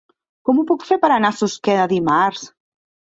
Com ho puc fer per anar a Susqueda dimarts?